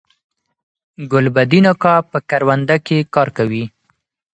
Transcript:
ګلبدین اکا په کرونده کی کار کوي